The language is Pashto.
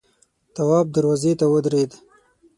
تواب دروازې ته ودرېد.